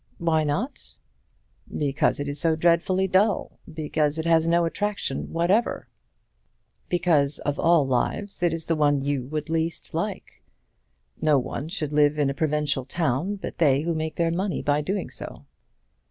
"Why not?" "Because it is so deadly dull; because it has no attraction whatever; because of all lives it is the one you would like the least. No one should live in a provincial town but they who make their money by doing so."